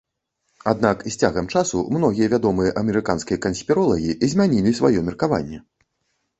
Аднак з цягам часу многія вядомыя амерыканскія канспіролагі змянілі сваё меркаванне.